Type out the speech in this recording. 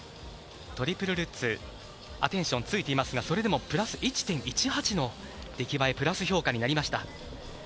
トリプルルッツアテンションがついていますがそれでもプラス１．１８の出来栄えプラス評価になりました。